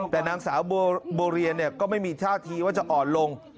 แต่นางสาวบัวเรียนก็ไม่มีท่าทีว่าจะอ่อนลง